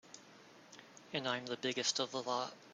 And I'm the biggest of the lot.